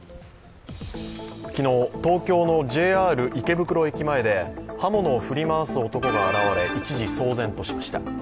昨日、東京のＪＲ池袋駅前で刃物を振り回す男が現れ、一時、騒然としました。